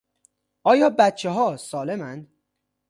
آیا بچها سَالم اند؟